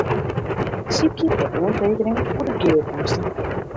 Sykje de oantekeningen oer de gearkomste.